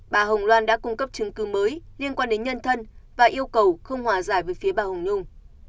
bà hồng loan đã cung cấp chứng cứ mới liên quan đến nhân thân và yêu cầu không hòa giải với phía bà hồng nhung